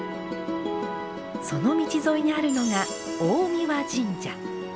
その道沿いにあるのが大神神社。